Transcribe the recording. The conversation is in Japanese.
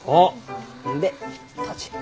で閉じる。